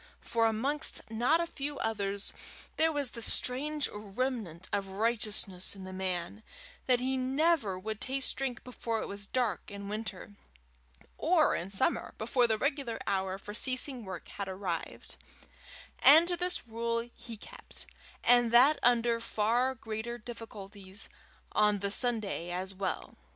For, amongst not a few others, there was this strange remnant of righteousness in the man, that he never would taste drink before it was dark in winter, or in summer before the regular hour for ceasing work had arrived; and to this rule he kept, and that under far greater difficulties, on the Sunday as well.